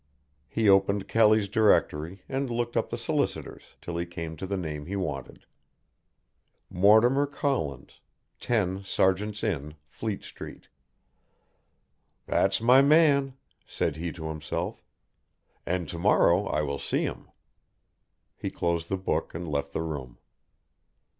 He opened Kelly's directory, and looked up the solicitors, till he came to the name he wanted. Mortimer Collins, 10, Sergeant's Inn, Fleet Street. "That's my man," said he to himself, "and to morrow I will see him." He closed the book and left the room.